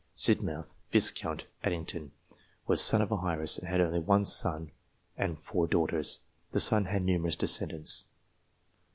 Sidmouth, Viscount (Addington). Was son of an heiress, and he had only one son and four daughters. The son had numerous descendants.